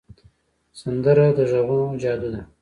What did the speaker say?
سندره د غږونو جادو ده